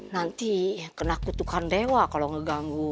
nanti ya kena kutukan dewa kalau ngeganggu